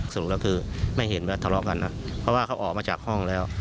สรุปแล้วคือไม่เห็นว่าทะเลาะกันนะเพราะว่าเขาออกมาจากห้องแล้ว